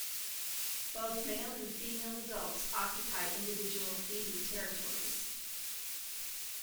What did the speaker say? Both male and female adults occupy individual feeding territories.